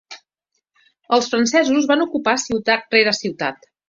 Els francesos van ocupar ciutat rere ciutat.